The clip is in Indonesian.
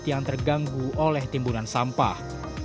yang terganggu oleh timbunan sampah